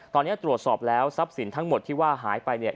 ตอนนี้ตรวจสอบแล้วทรัพย์สินทั้งหมดที่ว่าหายไปเนี่ย